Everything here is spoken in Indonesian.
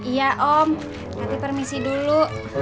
iya om ganti permisi dulu